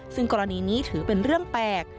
ซึ่งกรณีนี้ถือเป็นเรื่องแปลก